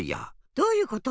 どういうこと？